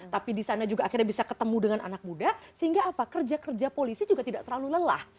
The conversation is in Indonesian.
tapi di sana juga akhirnya bisa ketemu dengan anak muda sehingga apa kerja kerja polisi juga tidak terlalu lelah